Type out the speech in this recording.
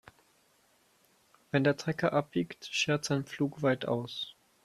Wenn der Trecker abbiegt, schert sein Pflug weit aus.